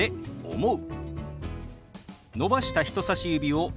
「思う」。